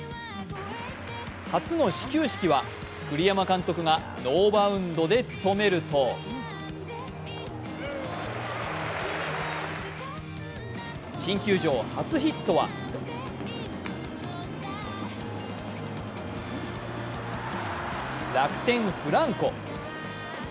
初の始球式は、栗山監督がノーバウンドで務めると新球場、初ヒットは楽天・フランコ。